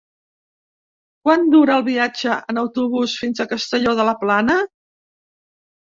Quant dura el viatge en autobús fins a Castelló de la Plana?